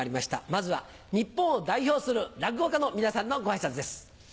まずは日本を代表する落語家の皆さんのご挨拶です。